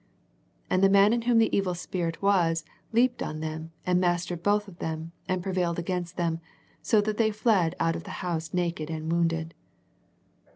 And the man in whom the evil spirit was, leaped on them, and mastered both of them, and prevailed against them, so that they fled out of that house naked and wounded."